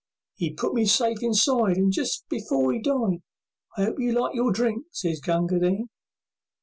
'E put me safe inside, And just before 'e died, "I 'ope you liked your drink," sez Gunga Din.